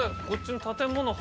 こっちの建物。